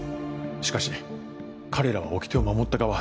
しかし彼らはおきてを守った側